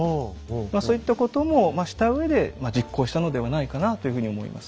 そういったこともしたうえで実行したのではないかなというふうに思います。